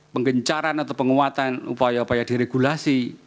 penggencaran atau penguatan upaya upaya diregulasi